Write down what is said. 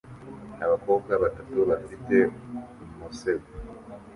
Abakobwa batatu bafite umusego